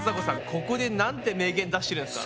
ここでなんて名言出してるんですか。